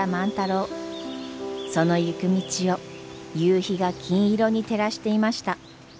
その行く道を夕日が金色に照らしていました。